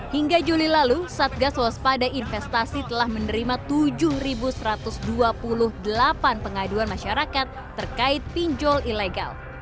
hingga juli lalu satgas waspada investasi telah menerima tujuh satu ratus dua puluh delapan pengaduan masyarakat terkait pinjol ilegal